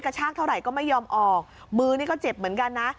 ชากเท่าไหร่ก็ไม่ยอมออกมือนี่ก็เจ็บเหมือนกันนะ